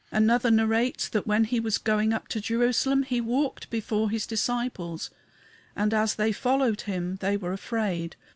Another narrates that when he was going up to Jerusalem he walked before his disciples, and as they followed him they were afraid.